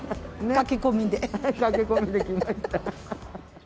駆け込みで来ました。